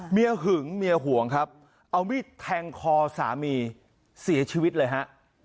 หึงเมียห่วงครับเอามีดแทงคอสามีเสียชีวิตเลยฮะ